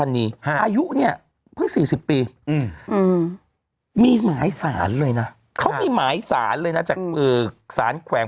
จับกุมเนี่ยที่ร้านอาหารแห่งนึง